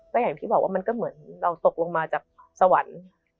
ก็อย่างที่บอกว่ามันก็เหมือนเราตกลงมาจากสวรรค์